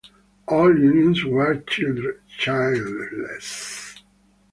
All unions were childless.